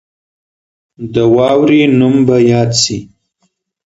د واورې نوم به یاد سي.